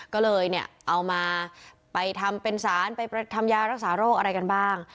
ก็เลยเนี่ยเอามาไปทำเป็นสารไปทำยารักษาโรคอะไรกันบ้าง